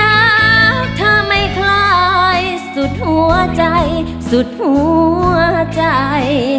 แล้วถ้าไม่คล้ายสุดหัวใจสุดหัวใจ